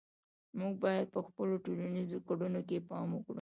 موږ باید په خپلو ټولنیزو کړنو کې پام وکړو.